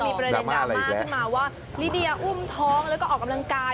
มีประเด็นดราม่าขึ้นมาว่าลิเดียอุ้มท้องแล้วก็ออกกำลังกาย